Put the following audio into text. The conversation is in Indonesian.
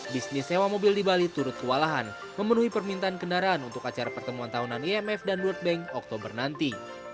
bisnis sewa mobil di bali turut kewalahan memenuhi permintaan kendaraan untuk acara pertemuan tahunan imf dan world bank oktober nanti